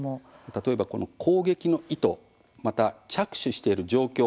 例えば、この攻撃の意図また、着手している状況